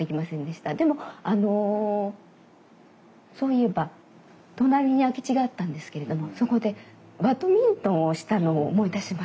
でもあのそういえば隣に空き地があったんですけれどもそこでバドミントンをしたのを思い出しました。